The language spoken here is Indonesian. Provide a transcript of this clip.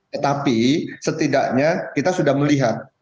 tetapi setidaknya kita sudah melihat